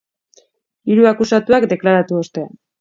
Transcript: Hiru akusatuak, deklaratu ostean.